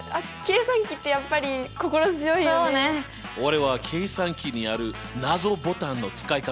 俺は計算機にある謎ボタンの使い方